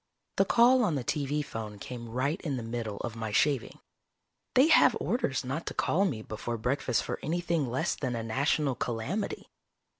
_ Illustrated by Schoenherr The call on the TV phone came right in the middle of my shaving. They have orders not to call me before breakfast for anything less than a national calamity.